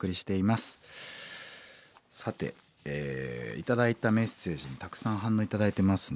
さて頂いたメッセージにたくさん反応頂いてますね。